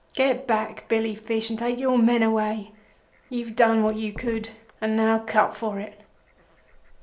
Get back, Billy Fish, and take your men away; you've done what you could, and now cut for it.